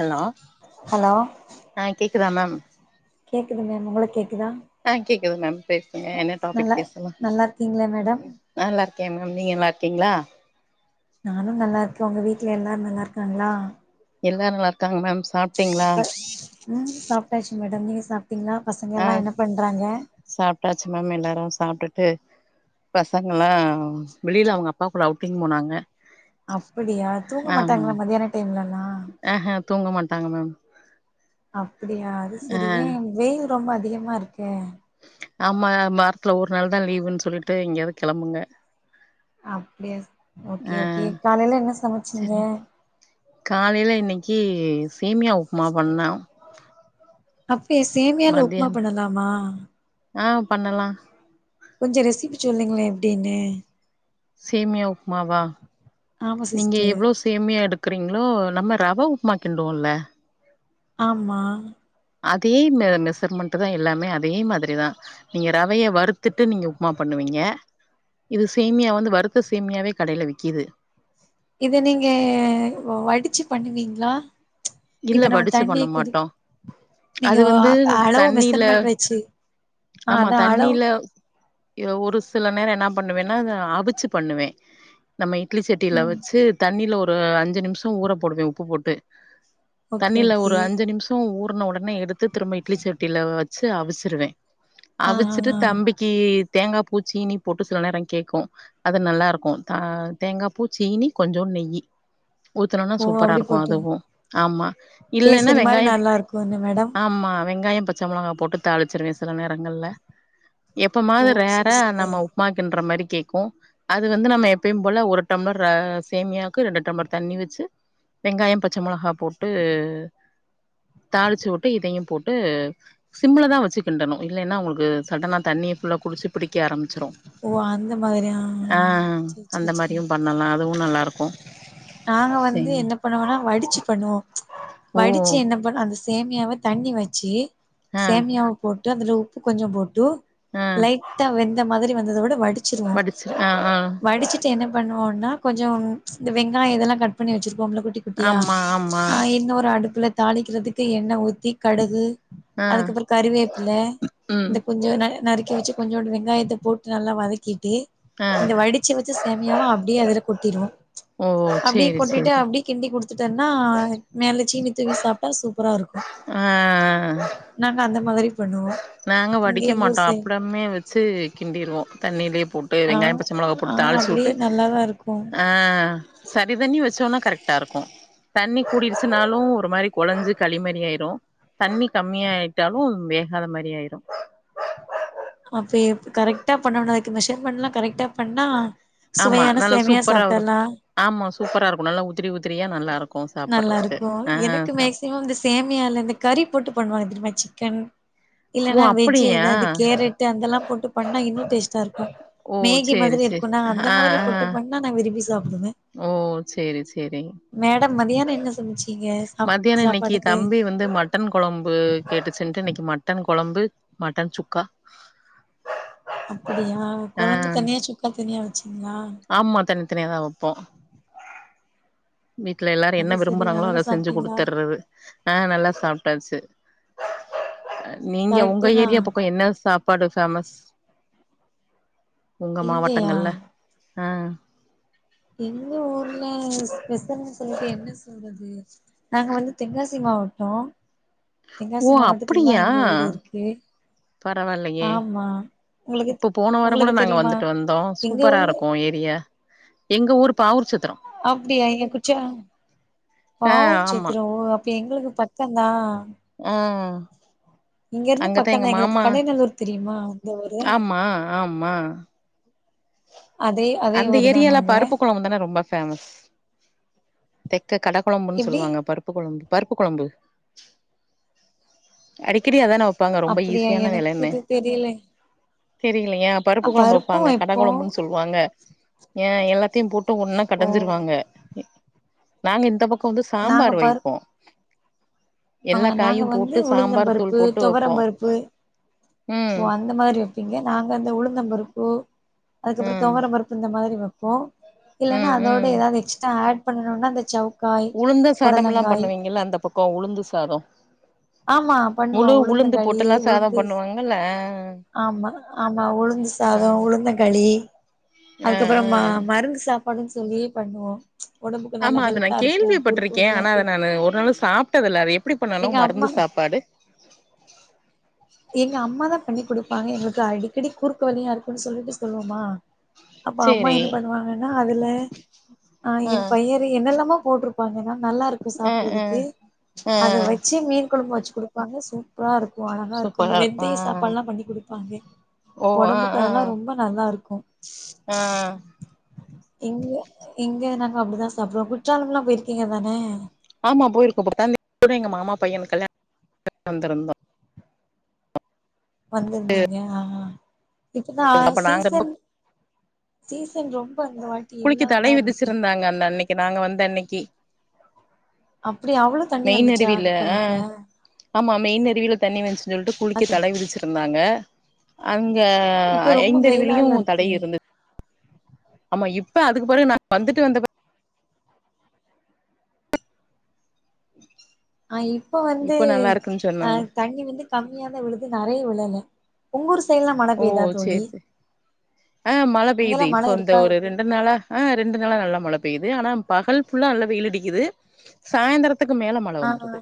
hello hello ஆ கேக் குதா மேம் கேக்குது மேம் உங்களுக்கு கேக்குதா ஆ கேக்குது மேம் பேசுங்க என்ன டாபிக் நல்லா பேசலாம் நல்லா இருக்கீங்களா மேடம் நல்லா இருக்கேன் மேம் நீங்க த்தீங்களா நானும் நல்லா இருக்கேன் உங்க வீட்டுல எல்லாரும் நல்லா இருக்காங்களா எல்லாம் நல்லார்க் காங்க மேம் சாப்பிட்டீங்களா ம் சாப்ட்டாச்சு மேடம் நீங்க சாப்ட்டீங்களா பசங்க அ எல்லா என்ன பண்றாங்க சாப்ட்டாச்சு மேம் எல்லாரும் சாப்ட்டுட்டு பசங்கள்லாம் வெளியில அவுங்க அப்பாக்கூட அவுட்டிங் போனாங்க அப்படியா தூங்க ஆமா மாட்டாங்களா மதியான டைம்லல்லாம் ஆஹா தூங்க மாட்டாங்க மேம் அப்டியா அது ஆ செரி வெயில் ரொம்ப அதிகமா இருக்கே ஆமா வாரத்துல ஒரு நாள் தான் லீவுன்னு சொல்லிட்டு எங்கேயாவது கிளம்புங்க அப்படியா ஓகே ஓகே காலையில என்ன சமைச்சீங்க கிர் சேமியா உப்புமா பண்ணம் அப் டியா சேமியால உப்புமா பண்ணலாமா பண்ணலாம் கொஞ்சம் ரெசிப்பி சொல்லீங்களேன் எப்டின்னு சேமியா உப்புமாவா ஆமா நீங்க சிஸ்டர் எவ்வளோ சேமியா எடுக்கறீங்களோ நம்ம ரவை உப்புமா கிண்டுவோம்ல ஆமா அதே மெஷர்மெண்ட் தான் எல்லாமே அதே மாதிரிதான் நீங்க ரவைய வறுத்துட்டு நீங்க உப்புமா பண்ணுவீங்க இது சேமியா வந்து வருத்த சேமியாவே கடையில விக்கிது இத நீங்க வடிச்சு பண்ணுவீங்களா இல்ல இப்ப நம்ம வடிச்சு பண்ண தண்ணிய கொதி மாட்டோம் நீங்க அது வந்து அளவு தண்ணில மெஷர்மெண்ட் வச்சு ஆ ஆமா அதா அளவு தண்ணில ஒரு சில நேரம் என்ன பண்ணுவேன்னா அத அவுச்சு பண்ணுவேன் நம்ம இட்லி செட்டியில ஆ வச்சு தண்ணியில ஒரு ஒரு அஞ்சு நிமிஷோ ஊற போடுவே உப்பு போட்டு ஓகே தண்ணீல ஓகே ஒரு அஞ்சு நிமிஷோ ஊ உடன உடனே எடுத்து திரும்ப இட்லி செட்டியில வச்சு அவிச்சிருவே ஆ ஆ அவுச்சுட்டு ஆ தம்பிக்கு தேங்கா பூ சீனி போட்டு சில நேரோ கேட்கு அது நல்லா இருக்கு ஆ தேங்கா பூ சீனி கொஞ்சோ நெயி ஊத்துனம்னா ஓ சூப்பரா அப்டி இருக்கு போட்டு அதுவு ஆமா இல்லன்னா கேசரி மாரி வெங்காயம் நல்லா இருக்கு என்ன மேடம் ஆமா வெங்காயம் பச்ச மிளகாய் போட்டு தாளிச்சிருவே சில நேரங்கள்ல ஓ எப்பமாவது ரேற சுடு சுட நம்ம உப்புமா கின்ற மாரி கேக்கு அது வந்து நம்ம எப்பயும் போல ஒரு டம்ளர் சேமியாக்கு ரெண்டு டம்ளர் தண்ணி வச்சு வெங்காயம் பச்ச மொளகா போட்டு தாளிச்சு விட்டு இதயு போட்டு சிம்ள தா வச்சு கிண்டணு இல்லன்னா உங்களுக்கு சடனா தண்ணிய ஃபுல்ல குடிச்சு பிடிக்க ஆரம்பச்ச ஓ அந்த மாதிரி ஆ சேரி அந்த சேரி சேரி மாரியு பண்ணலா அதுவு நல்லா இருக்கு நாங்க வந்து என்ன பண்ணுவனா வடிச்சு பண்ணம் ஓ வடிச்சு என்ன பண்ண அந்த சேமியாவ தண்ணி வச்சு ஆ சேமியாவ போட்டு போட்டு அதுல உப்பு கொஞ்சோ போட்டு ஆ லைட்டா வெந்த மாதிரி வந்து தோட வடிச்சிருவோ வடிச்சு ஆ ஆ வடிச்சுட்டு என்ன பண்ணுவோம்னா கொஞ்சோ இந்த வெங்காய இதெல்லா கட் பண்ணி வச்சிரு போம்ள குட்டி குட்டியா ஆமா ஆமா ஆ இன்னோரு அடுப்பு தாளிக்குறதுக்கு என்ண ஊத்தி கடுகு ஆ அதுக்கப்றோ கறிவேப்பில ம் இந்த கொஞ்சோ ந நறுக்கி வச்ச கொஞ்சோண்டு வெங்காயத்த போட்டு நல்லா வதக்கிட்டு ஆ இந்த வடிச்சு வச்ச சேமியாவ அப்டியே அதுல கொட் [inaudible] அப்டியே சேரி கொட்டிட்டு சேரி அப்டியே கிண்டி குடுத்து பத்துட்டேன்னா மேல சீனி தூவி சாப்பிட்டா சூப்பரா இருக்கு ஆ ஆ ஆ நாங்க அந்த மாதிரி பண்ணுவோ நாங்க இங்க வடிக்க எங்க ஊர் மாட்டோம் சைட் அப்புடமே வச்சு கிண்டிருவோம் தண்ணிலே போட்டு ஆ வெங்காயம் பச்ச மொளகா ஆ போட்டு தாளிச்சு அப்டியே வுட்டு நல்லாதா இருக்கு ஆ சரி தண்ணி வச்சோனா கரெக்ட்டா இருக்கும் தண்ணி கூடிருச்சுனாலும் ஒரு மாதிரி கொழஞ்சு களிமாறி ஆயிடும் தண்ணி கம்மியா ஆயிட்டாலும் வேகாத மா ரி ஆயிரும் அப்பே கரெக்ட்டா பண்ணணு மேஷர்மென்ட்லாம் கரெக்ட்டா ஆமா நல்லா சூப்பரா வரும் சாப்டர்லா ஆமா சூப்பரா இருக்கும் நல்லா உதிரி உ நல்லா இருக்கும் எனக்கு சாப் மேக்சிமம் இந்த சேமியால இந்த கறி போட்டு பண்ணுவாங்க தெரியுமா சிக் கன் ஓ இல்லன்னா வெஜ் அப்படியா ஏதாவது கேரட் அதெல்லாம் போட்டு பண்ணா இன்னும் டேஸ்ட்டா இருக் கும் ஓ மேகி சேரி மாதிரி சேரி இருக்கும் நான் அந்த ஆ ஆ மாதிரி புட்டுப்பண்ணா நான் விரும்பி சாப்டுவே ஓ சேரி சேரி மேடம் மதியான என்ன சமச்சீங்க சாப் மதியானம் இன்னைக்கு சாப்பாடுக்கு தம்பி வந்து மட்டன் கொழம்பு கேட்டுச்சுனுட்டு இன்னைக்கு மட்டன் கொழம்பு மட்டன் சுக்கா அப்படியா ஆ குழந்த தனியா சுக்கா தனியா வ ச்சீங்களா தனியா தான் வைப்போம் வீட்டுல எல்லாரும் அது என்ன சரி விரும்புறாங்களோ நல்லா அதை செஞ்சு சாப்ட்டீங்களா குடுத்துர்றது ஆ நல்லா சாப்ட்டாச்சு நீங்க உங்க கரெக்ட்டு தா ஏரியா பக்கம் என்ன சாப் பாடு ஃபேமஸ் உங்க இங்கயா மாவட்டங்கள்ல ஆ எங்க ஊர்ல ஸ்பசல்னு சொல்லிட்டு என்ன சொல்றது நாங்க வந்து தென்காசி மாவட்டம் ஓ தென்காசி மாவட்டத்துலதான் எங்க ஊரு இருக்கு பாரவல்லயே ஆமா உங்களுக்கு இப்ப போன வார கூட உங்களுக்கு நாங்க தெரியுமா வந்துட்டு வந்தோ எங்க சூப்பரா ஊர்ல இருக்கு ஏரியா எங்க ஊர் பாவூர்ச்சத்து அப்டியா இங்க குச்ச ஆ ஆமா பாவூர்சத்தரோ அப்ப எங்களுக்கு பக்கதா ஆ இங்க இருந்து அங்கதா எங்க பக்கதா எங்களுக்கு மாமா கடையநல்லூர் தெரியுமா அதுதா எங்க ஊரு ஆமா ஆமா அதே அதே அந்த ஊரு தா ஏரியால நாங்க பருப்பு கொளம்பு தான ரொம்ப ஃபேமஸ் தெக்க கட கொழம்புன்னு எப்டி சொல்லுவங்க பருப்பு கொழம்பு பருப்பு கொழம்பு அடிக்கடி அதான வைப்பாங்க ரொம்ப அப்டியா ஈஸியான எனக்கு இது தெரியல இல்லய பருப்பு கொளம்பு வப்பாங்க கொழம்பு சொல்லுவாங்க ஏனா எல்லாத்தையு போட்டு போட்டு ஒன்னா ஓ கடஞ்சுருவாங்க நாங்க இந்த பக்க வந்து நாங்க சாம்பார் பருப் வைப்போ ஆ எல்லா நாங்க காயும் வந்து போட்டு சாம்பார் தூள் உளுந்தம்பருப்பு போட்டு வைப்போ தொவரம்பருப்பு ம் ஓ அந்த மாரி வெப்பீங்க நாங்க அந்தஉளுந்தம்பருப்பு ஓ அதுக்கு ம் தொவரம்பருப்பு இந்த மாதிரி ஓ இல்லன்னா ம் அதோட ம் ஏதாவது எஸ்டா ஆட் பண்ணணும்னா அந்த சவு உளுந்த சாதம் எல்லா பண்ணுவீங்கல்ல அந்த பக்கோ உளுந்து சாதோ ஆமா பண்ணுவோ முழு உளுந்து உளுந்தங்கலி போட்டெல்லா சாதோ உளுந்து பண்ணுவாங்கல்ல ஆமா ஆமா உளுந்து ஆ சாதோ உளுந்தங்களி ஆ அதுக்கப்றோ ஆ மருந்து சாப்பாடு தோழி பண்ணுவோ உடம்புக்கு நல்லா ஆமா அத நா ஹெல்த்தா இருக்கு குறுக்கு கேள்விப்பட்டிருக்கே வலிலா ஆனா அத கேக்கு நானு ஒரு நாள் கூட சாப்டதில்ல அத எப்டி பண்ணனு எங்க மறு எங்க அம்மா தா பண்ணி குடுப்பாங்க எங்களுக்கு அடிக்கடி குறுக்கு வழியா இருக்குனு சொல்லிட்டு சொல்லுவோமா அப்ப அம்மா சேரி என்ன பண்ணுவாங்கன்னா அதுல ஆ என் பயிறு என்னெல்லாமோ போட்டிருப் போ நல்லா இருக்கும் ஆ ஆ சாப்ட்றதுக்கு ஆ அத வச்சு மீன் வச்சு குடுப்பாங்க சூப்பரா இருக்கு அழகா சூப்பரா இருக்கு ஆ வெந்தய சாப்பாடெல்லா பண்ணி குடுப்பாங்க ஓ ஆ ஒடம்புக்கு ஆ அதெல்லா ரொம்ப நல்லா இருக்கும் ஆ இங்க இங்க நாங்க அப்டித சாப்டுவோ குற்றால்லா போயிருக்கீங்க தான ஆமா போயிருக்கோ [inaudible] கூட எங்க மாமா பையனுக்கு கல்யாணம் வந்திருந்தோ வந்திருந்தீங்க ஆனா இப்ப தா அப்ப நாங்க சீசன் சீசன் ரொம் குளிக்க தட விதிச்சிருந்தாங்க அந்த அன்னிக்கு நாங்க வந்த அன்னைக்கி அப் மெயின் அருவில ஆ ஆமா மெயின் அருவில தண்ணி வந்ச் சொல்லிட்டு குளிக்க தடை விதிச்சிருந் நாங்க அங்க இப்ப ரொம்ப ஐந்தறிவிலியு வெயிலால இருக்கு தட இருந்தது ஆமா இப்ப அதுக்கு பெறகு நா வந்துட்டு வந்த [inaudible] அ இப்ப வந்து நல்லா இருக்குன்னு அ சொன்னாங்க தண்ணி வந்து கம்மியாதா விழுது நெறய விழல உங்கூருஸ் ஓ சேரி சேரி ஆ மழ பெய்யுது அங்கெல்லா மழ இப்போ இந்த இருக்கா ஒரு எப்டி ரெண்டு நாளா ஆ ரெண்டு நாளா நல்லா மழ பெய்து பெய்து ஆனா பகல் ஃபுல்லா நல்லா வெயில் அடிக்குது சாயந்திரத் சாய்ந்றதுக்கு மேல மழ ஆ வந்துருது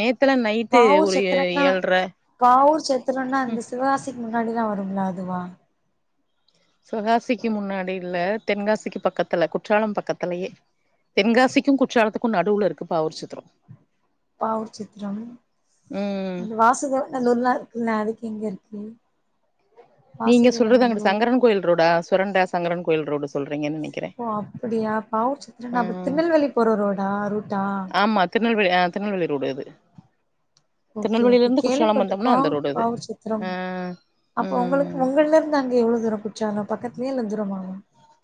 நேத்தெல்லா நைட்டு பாவூர் ஒரு சத்திரம்னா ஏல்ற உம் முன்னாடிதா வரும்லா அதுவா சிவகாசிக்கு முன்னாடி இல்ல தென்காசிக்கு பக்கத்துல குற்றாலம் பக்கத்துலயே தென்காசிக்கும் குற்றாலத்துக்கும் நடுவுல இருக்கு பாவூர்சத்ரோ பாவூர்சத்திரம் ம் அந்த வாசக இன்னோர் நாள் இல்ல அதுக்கு எங்க இருக்கு [inaudible] நீங்க சொல்றது அங்குட்டு வாசுதேவநல்லூர் சங்கரன் கோயில் ரோடா சுரன்ட சங்கரன் கோயில் ரோடு சொல்றீங்கன்னு நெனைக்கிறே ஓ அப்படியா பாவச்சு நீங்க ஆ அப்ப திருநெல்வேலி போற ரோடா ரூட்டா ஆமா திருநெல்வேலி ஆ திருநெல்வேலி ரோடு அது ஓகே திருநெல்வேலில ஓகே இருந்து குற்றாலம் வந்தோம்னா அந்த கேள்விப்பட்டிருக்கோம் ரோடு அது பாவ சித்திரம் ஆ அப்ப உங்களுக்கு ம் உங்கல இருந்து அங்க எவ்வளோ தூரம் குச்சாலும் பக்கத் துலையா இல்ல தூரமா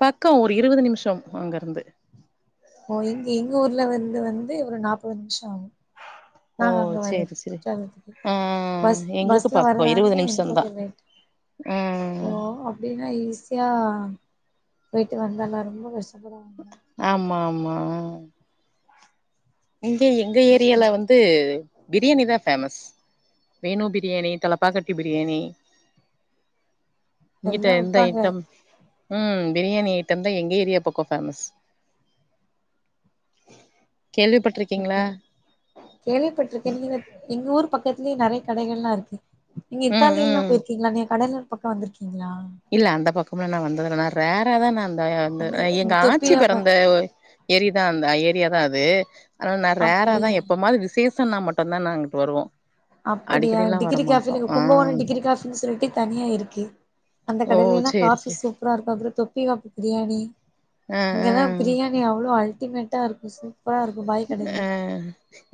பக்கம் ஒரு இருவது நிமிஷம் அங்க இருந்து ஓ இங்க எங்க ஊர்ல வந்து வந்து ஒரு நாற்பது நிமிஷம் ஓ ஓ நாங்க அங்க சேரி வர்றதுக்கு சேரி குத்தாளத்துக்கு ஆ பஸ் எங்களுக்கு பஸ்ல பக்கோ வர்தா இருவது இருந்த இன்ன நிமிஷந்தா கொஞ்சம் ஓ ம் அப்படின்னா ஈஸியா போயிட்டு வந்தல்லாம் [unintelligible] அப்புறோம் ம் இங்க எங்க ஓகே ஏரியால வந்து பிரியாணி தான் ஃபேமஸ் வேணு பிரியாணி தலப்பாக்கட்டி பிரியாணி இங்கிட்ட எல்லா எந்த விப்பாங்க ஐட்டம் ம் பிரியாணி ஐட்டம் தான் எங்க ஏரியா பக்கம் ஃபேமஸ் கேள்விப்பட்டிருக்கீங்களா கேள்விப்பட்டிருக்கேன் நீங்க எங்க ஊர் பக்கத் துலயே நறைய கடைகள்லாம் இருக்கு நீங்க ம் இத்தாலி எல்லாம் ம் போயிருக்கீங்களாமே கடலூர் பக்கம் வந்திருக்கீங்களா இல்ல அந்த பக்கம்ல நான் வந்தது ரேர்ரா தான் நான் அந்த இந்த எங்க ஆட்சி தொப்பியா ப பிறந்த ஏரிதான் அந்த ஏரியா அதே அது நான் ரேர்ரா தான் அப்டியா எப்பமா விசேஷ சம்ன்னா மட்டும்தான் நாங்க இங்குட்டு வருவோம் அப்படியா டிகிரி காஃபி கும்பகோணம் டிகிரி காஃபின்னு சொல்லிட்டு தனியா இருக்கு அந்த ஓ கடலைனா சேரி காபி சேரி சூப்பரா இருக்கும் அப்புறம் தொப்பி வாப்பு பிரியாணி ஆ ஆ இங்கதான் பிரியாணி அவ்வளோ அல் டிமேட்டா இருக்கு சார் அ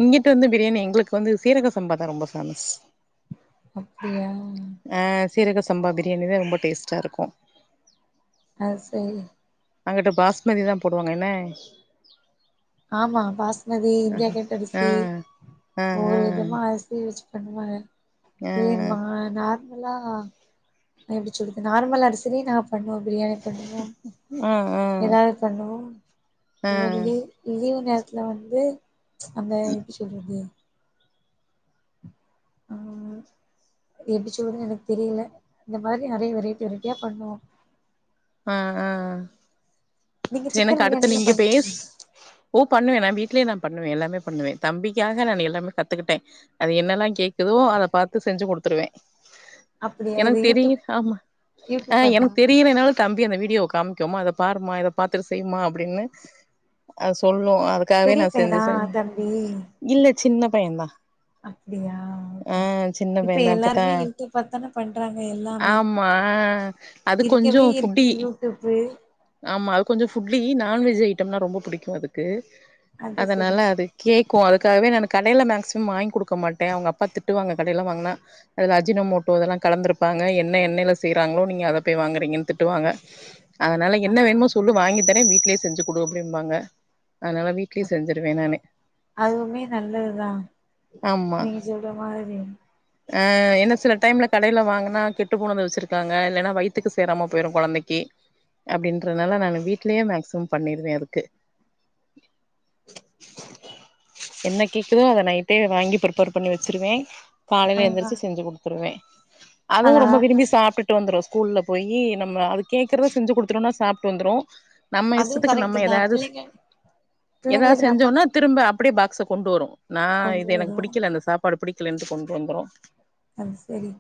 இங்கிட்டு வந்து பிரியாணி எங்களுக் ப்ப வந்து சீரக சம்பா தான் ரொம்ப ஃபேமஸ் அப்டியா ஜீரக சம்பா பிரியாணி தா ரொம்ப டேஸ்ட்டா இருக்கு ஆ சேரி அங்கிட்டு பாஸ்மதி தா போடுவாங்க என்ன ஆமா பாஸ்மதி இந்தியா கேட் ஆ அரிசி ஆ ஆ ஒவ்வொரு விதமா அரிசி வச்சு [unintelligible] சேர்மா நாத் நல்லா எப்டி சொல்லுது நார்மல அரி செரி நா பண்ணுவோ பிரியாணி பண்ணுவோ ஆ ஆ ஆ ஏதாது பண்ணுவோ ஆ லீ லீவு நேர எல வந்து அந்த எப்டி சொல்றது ம் எப்டிச்சு விடு எனக்கு தெரில இந்த மாரி நெறைய வெரைட்டி வெரைட்டியா பண்ணுவோ அ அஅ நீங்க செரி எனக்கு சிக்கன் அடுத்த பிரியாணிலா நீங்க பேஸ் பண்ணுவீங்களா ஓ பண்ணுவே நா வீட்லயே நா பண்ணுவே எல்லாமே பண்ணுவே தம்பிக்காக நா எல்லாமே கத்துக்கிட்டே அது என்னல்லா கேக்குதோ அத பாத்து செஞ்சு குடுத்துருவே அப்டியா இது எனக்கு தெரியு யூடியூப் ஆமா ஆ யூடியூப் பாத்தா எனக்கு தெரியறனால தம்பி அந்த வீடியோ காமிக்கோம அத பாருமா இத பாத்துட்டு செய்யுமா அப்டின்னு அ சொல் புரோ அதுக்காகவே பெரிய நா செஞ்சு பையனா செஞ் தம்பி இல்ல சின்ன பையந்தா அப்டியா ஆ ஓகே சின்ன இப்ப பையந்தா இப்பத்தா எல்லாருமே யூ டியூப்த் தானே பண்றாங்க எல்லாமே ஆமா ஆ அது கொஞ்சோ இருக்கவே இருக்கு ஃபுட்டி யூ டியூப்பு இந்த ஃபுட்லி நான்வெஜ் ஐட்டம்ன ரொம்ப புடிக்கும் அதுக்கு அது சரி அதனால அது கேக் கோ அதுக்காகவே நா கடைல மேக்சிமம் வாங்கி குடுக்க மாட்டேன் அவங்க அப்பா திட்டுவாங்க கடையல்லா வாங்கினா அது அஜினனம் மோட்டோ அதெல்லா கலந்திருப்பாங்க என்ன எண்ணெயில செய்யறாங்களோ நீங்க அத போய் வாங்குறீங்கன்னு திட்டுவாங்க அதனால என்ன ஆமா வேணுமோ சொ இத்தனே வீட்லயே செஞ்சு குடு அப்டிம்பாங்க அதனால வீட்லயே செஞ்சிருவே நானு அதுமே நல்லதுதா ஆமா நீங்க சொல்ற மாதிரி ஆ என்ன சில டைம்ல கடைல வாங்கனா கெட்டு போனத வச்சுருக்காங்க இல்லன்னா வயித்துக்கு சேராம போயிரு கொழந்தைக்கு அப்டின்ற அதனால நா வீட்லயே மேக்சிமம் பண்ணிருவே அதுக்கு என்ன கேக்குதோ அத நைட்டே வாங்கி ப்ரிப்பேர் பண்ணி வச்சிருவே காலைல ஆ எந்திருச்சி செஞ்சு குடுத்துருவே அதும் ஆனா ரொம்ப விரும்பி சாப்ட்டு வந்துரு ஸ்கூல்ல போயி நம்ம அது கேட்குறத செஞ்சுகுடுத்துடோன சாப்பிட்டு ட்டு வந்துரு நம்ம அதுவு இஷ்டத்துக்கு கரெக்ட் நம்ம தா ஏதாவது பிள்ளைங்க ஏதாவது பிள்ளைங்களுக்கு நம்ம செஞ்சோனா திரும்ப அப்டி பாக்ஸ கொண்டு வரு நா கொண்டு இது எனக்கு வரோ புடிக்கல இந்த சாப்பாடு பிடி புடிக்கலைன்ட்டு கொண்டு வந்துரு அது சரி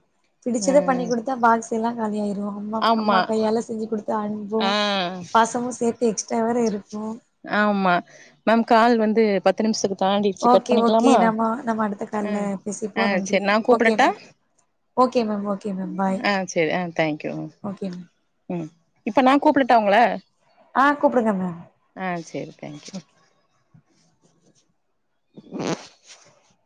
பிடிச்சத பண்ணி ம் குடுத்தா பாக்ஸ் எல்லா காலியாயிரு அம்மா ஆமா அம்மா கையால செஞ்சு குடுத்தா அன்போ ஆ பாசமு சேத்து எக்ஸ் டிரா வேற இருக்கு ஆமா மேம் கால் வந்து பத்து நிமிஷத்துக்கு தாண்டிடுச்சு கட் ஓகே ஓகே பண்ணிக்கலாமா நம்ம நம்ம அடுத்த கால்ல பேசிப்போ ஆ நன்றி சரி நா ஓகே கூப்டட்டா ma'am okay ma'am okay ma'am bye ஆ சரி ஆ தேங்க்யு ஓகே மேம் ம் இப்ப நா கூப்டட்டா ஒங்கள ஆ கூப்பிடுங்க மேம் ஆ சரி தேங்க்யூ ஓகே [inaudible]